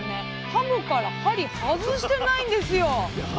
はもから針外してないんですよ。